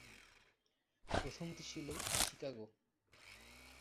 প্রথমটি ছিল "শিকাগো"।